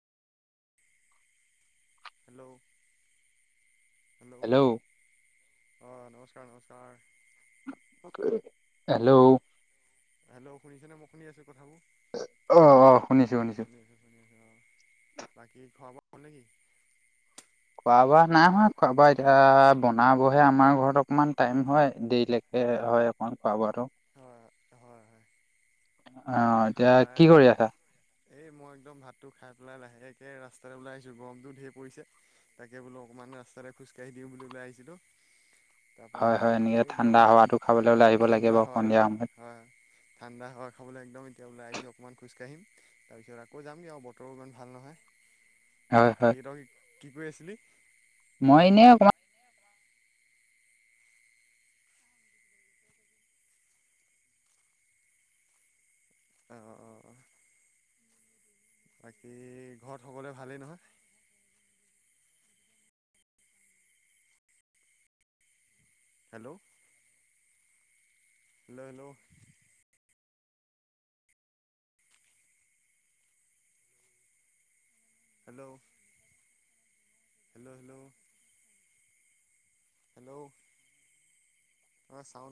Hello hello অ নমস্কাৰ নমস্কাৰ [unintelligible] হেল্লো। হেল্লো, শুনিছেনে মই শুনি আছোঁ কথাবোৰ। অ, অ, শুনিছো, শুনিছো। অ, বাকী খোৱা বোৱা হ'ল নেকি? খোৱা-বোৱা নাই হোৱা। খোৱা-বোৱা এতিয়া বনাবহে আমাৰ ঘৰত অকণমান টাইম হয়, দেৰিলে [inaudible] এ, হয় অকমান খোৱা- বোৱাটো। হয়, হয়, হয়, অ মই এই খাই এতিয়া পেলাই কি কৰি আছা এই মই একদম ভাতটো খাই পেলাই লাহেকে ৰাস্তাতে ওলাই আহিছোঁ। গৰমটোও ধেই পৰিছে। তাকে বোলো অকণমান ৰাস্তাৰে খোজকাঢ়ি দিওঁ বুলি ওলাই আহিছিলোঁ। হয় তাপৰা হয় এনেকে ঠাণ্ডা একদম হাৱাটো খাবলৈ পুত- ওলাই আহিব লাগে ঠাণ্ডা বাৰু হাৱাটো সন্ধিয়া সময়ত আ [inaudible] ঠাণ্ডা হাৱা খাবলৈ একদম এতিয়া ওলাই আহিছো, অকমান খোজকাঢ়িম। তাৰপিছত আকৌ যামগে আৰু বতৰো ইমান ভাল নহয়। উ বাকী তই কি কৈ আছিলি? মই ইনেই অকমান আ, অ, অ, অ। বাকী ঘৰত সকলোৱে ভালেই নহয়? Hello. Hello, hello. Hello. Hello, hello. Hello, তোমাৰ চাও [inaudible]